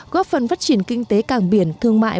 góp phần phát triển kinh tế cảng biển thương mại